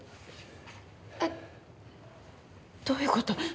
えっどういう事？